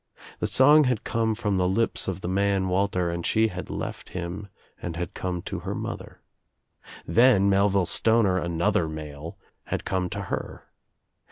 The song had come from the lips of the man Walter and she had left him and had come to her mother. Then Melville Stoner, another male, had come to her.